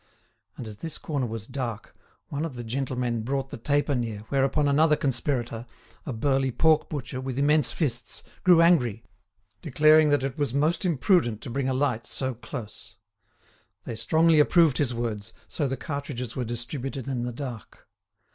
And as this corner was dark, one of the gentlemen brought the taper near, whereupon another conspirator—a burly pork butcher, with immense fists—grew angry, declaring that it was most imprudent to bring a light so close. They strongly approved his words, so the cartridges were distributed in the dark.